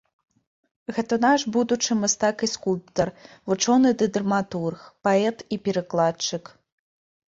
Гэта наш будучы мастак і скульптар, вучоны ды драматург, паэт і перакладчык.